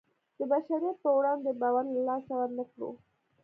د بشریت په وړاندې باور له لاسه ورنکړو.